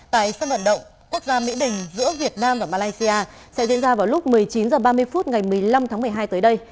tại sân vận động quốc gia mỹ đình giữa việt nam và malaysia sẽ diễn ra vào lúc một mươi chín h ba mươi phút ngày một mươi năm tháng một mươi hai tới đây